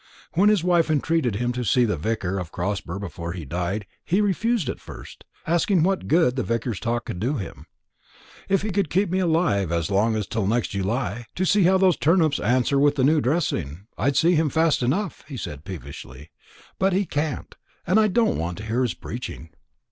When his wife entreated him to see the vicar of Crosber before he died, he refused at first, asking what good the vicar's talk could do him. "If he could keep me alive as long as till next July, to see how those turnips answer with the new dressing, I'd see him fast enough," he said peevishly; "but he can't; and I don't want to hear his preaching."